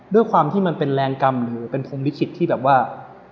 ด้วยความที่มันเป็นแรงกรรมหรือเป็นพรมวิชิตที่แบบว่า